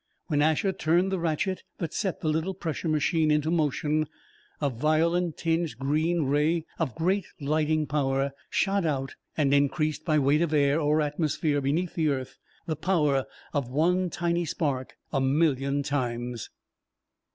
When Asher turned the ratchet that set the little pressure machine into motion, a violet tinged green ray of great lighting power shot out and increased, by weight of air, or atmosphere beneath the earth, the power of one tiny spark a million times.